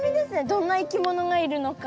どんないきものがいるのか。